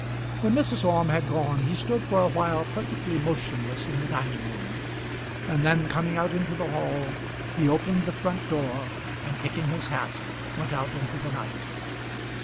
When Mrs. Orme was gone, he stood for a while perfectly motionless in the dining room, and then coming out into the hall he opened the front door, and taking his hat, went out into the night.